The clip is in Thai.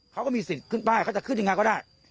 เขาก็มีสิทธิ์ขึ้นป้ายเขาจะขึ้นยังไงก็ได้